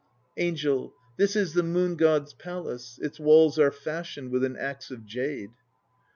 ANGEL. Thus is the Moon God's palace: Its walls are fashioned With an axe of jade.